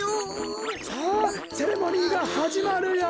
さあセレモニーがはじまるよ！